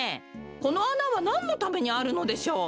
このあなはなんのためにあるのでしょう？